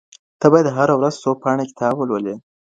ته باید هره ورځ څو پاڼې کتاب ولولې.